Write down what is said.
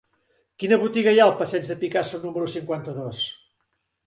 Quina botiga hi ha al passeig de Picasso número cinquanta-dos?